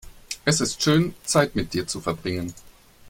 Es ist schön, Zeit mit dir zu verbringen.